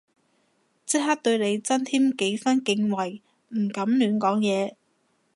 即刻對你增添幾分敬畏唔敢亂講嘢